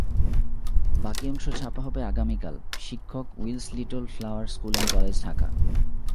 বাকি অংশ ছাপা হবে আগামীকালশিক্ষকউইলস little flower school and college, Dhaka